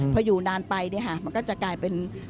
พออยู่นานไปมันก็จะกลายเป็น